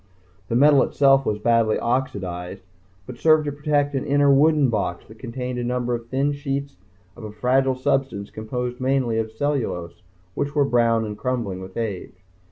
The metal itself was badly oxidized, but served to protect an inner wooden box that contained a number of thin sheets of a fragile substance composed mainly of cellulose which were brown and crumbling with age.